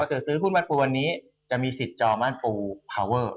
ซื้อหุ้นบ้านปูวันนี้จะมีสิทธิ์จองบ้านปูพาเวอร์